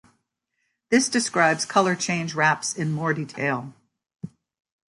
This describes Color Change Wraps in more detail.